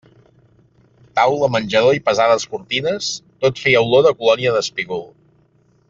Taula, menjador i pesades cortines, tot feia olor de colònia d'espígol.